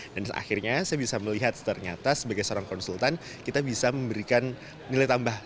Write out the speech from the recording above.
dan akhirnya saya bisa melihat ternyata sebagai seorang konsultan kita bisa memberikan nilai tambah